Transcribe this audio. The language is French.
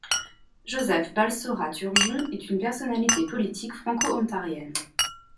Joseph-Balsora Turgeon est une personnalité politique franco-ontarienne.